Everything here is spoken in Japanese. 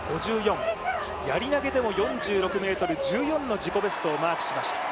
やり投でも４６ｍ１４の自己ベストをマークしました。